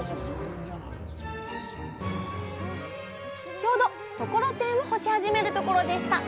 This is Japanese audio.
ちょうどところてんを干し始めるところでした。